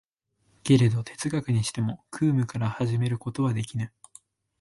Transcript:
けれど哲学にしても空無から始めることはできぬ。